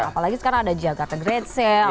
apalagi sekarang ada giagard grade sale